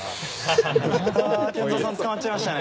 ＫＥＮＺＯさん捕まっちゃいましたね。